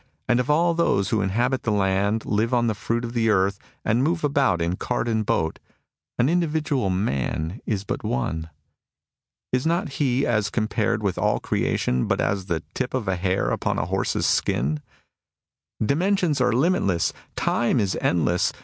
And of all those who inhabit the land, live on the fruit of the earth, and move about in cart and boat, an individual man is but one. Is not he, as com pared with all creation, but as the tip of a hair upon a horse's skin ?'^ Dimensions are limitless ; time is endless.